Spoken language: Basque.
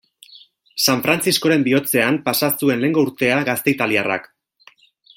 San Frantziskoren bihotzean pasa zuen lehengo urtea gazte italiarrak.